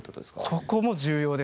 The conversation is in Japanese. ここも重要ですね。